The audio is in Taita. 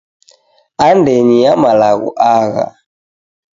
Andenyi ya malagho agha